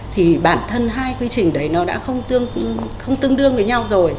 thì bản thân hai quy trình đấy nó đã không tương đương với nhau rồi